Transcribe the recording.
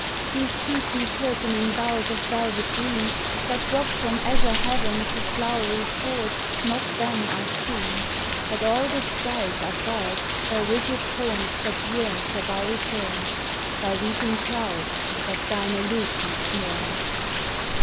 32 ROSE TIDE 33 These deeply curtaining boughs of velvet green That drop from azure heaven to flowery sward Not then are seen, But all the skies are barred By rigid forms that yearn for thy return — By weeping clouds that thine aloofness mourn.